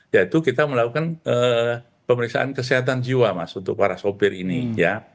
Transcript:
yaitu kita melakukan pemeriksaan kesehatan jiwa mas untuk para sopir ini ya